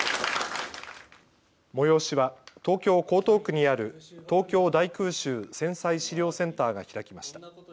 催しは東京・江東区にある東京大空襲・戦災資料センターが開きました。